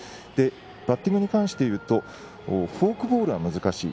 バッティングに関していうとフォークボールは難しい。